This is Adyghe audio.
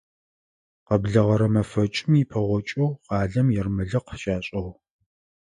Къэблэгъэрэ мэфэкӀым ипэгъокӀэу къалэм ермэлыкъ щашӀыгъ.